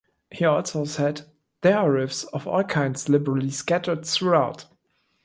He also said "there are riffs of all kinds liberally scattered throughout".